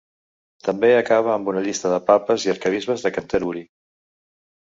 També acaba amb una llista de Papes i arquebisbes de Canterbury.